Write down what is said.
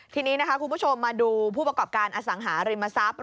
ทีนี้นะคะคุณผู้ชมมาดูผู้ประกอบการอสังหาริมทรัพย์